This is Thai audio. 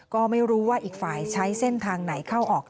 ก็ไม่รู้ว่าอีกฝ่ายใช้เส้นทางไหนเข้าออก